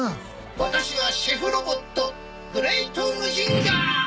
ワタシはシェフロボットグレイトムジンガー！